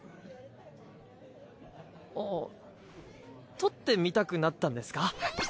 あぁ撮ってみたくなったんですか？